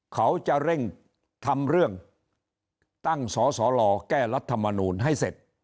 เขาจะเร่งทำเรื่องตั้งสสลแก้รัฐมนูลให้เสร็จ